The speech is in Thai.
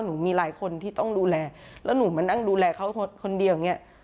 หนูมีหลายคนที่ต้องดูแลแล้วหนูมานั่งดูแลเขาคนเดียวอย่างนี้